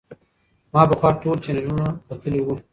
ما پخوا ټول چینلونه کتلي وو.